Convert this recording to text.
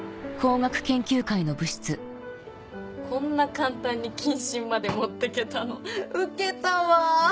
こんな簡単に謹慎まで持ってけたのウケたわ。